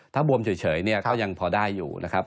ถ้าบวมเฉยเนี่ยก็ยังพอได้อยู่นะครับ